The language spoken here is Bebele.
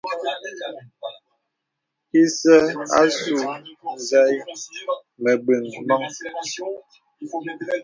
Ìsə àsū zèì məbəŋ mɔ̄ŋ.